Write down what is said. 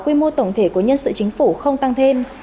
quy mô tổng thể của nhân sự chính phủ không tăng thêm